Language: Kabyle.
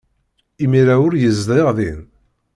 Imir-a ur yezdiɣ din.